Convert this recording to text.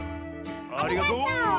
ありがとう！